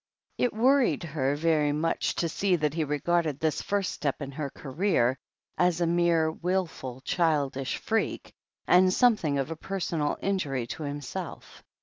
It worried her very much to see that he regarded this first step in her career as a mere wilful, childish freak, and something of a personal injury to himself.